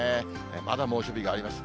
まだ猛暑日があります。